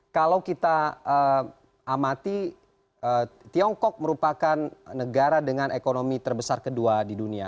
kalau kita amati tiongkok merupakan negara dengan ekonomi terbesar kedua di dunia